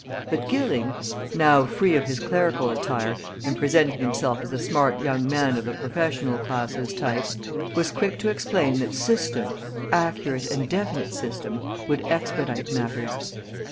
But Gilling now free of his clerical attire and presenting himself as a smart young man of the professional classes type was quick to explain that system, accurate and definite system, would expedite matters.